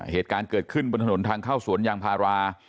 เหตุการณ์เกิดขึ้นบนถนนทางเข้าสวนยางพารา